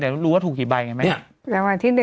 แต่รู้ว่าถูกกี่ใบไงไหม